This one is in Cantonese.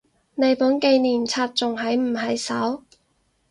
你本紀念冊仲喺唔喺手？